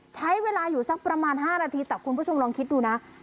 ใช้เวลาอยู่สักประมาณ๕นาทีแต่คุณผู้ชมลองคิดดูนะ